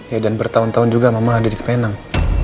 ya dan bertahun tahun juga mama ada di tepenang